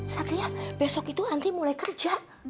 satria besok itu nanti mulai kerja